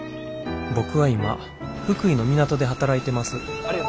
僕は今福井の港で働いてます。